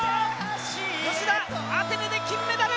吉田アテネで金メダル！